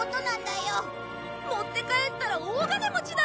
持って帰ったら大金持ちだ！